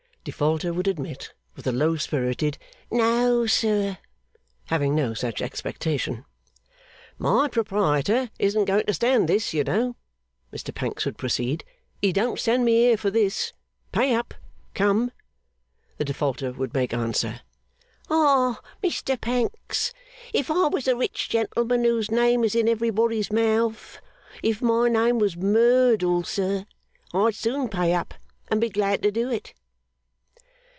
Defaulter would admit, with a low spirited 'No, sir,' having no such expectation. 'My proprietor isn't going to stand this, you know,' Mr Pancks would proceed. 'He don't send me here for this. Pay up! Come!' The Defaulter would make answer, 'Ah, Mr Pancks. If I was the rich gentleman whose name is in everybody's mouth if my name was Merdle, sir I'd soon pay up, and be glad to do it.